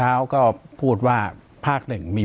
ปากกับภาคภูมิ